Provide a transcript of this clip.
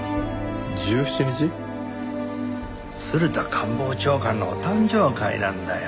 鶴田官房長官のお誕生会なんだよ。